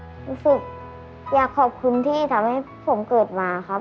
รู้สึกอยากขอบคุณที่ทำให้ผมเกิดมาครับ